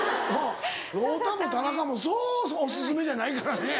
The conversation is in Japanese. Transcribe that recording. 太田も田中もそうそうオススメじゃないからね。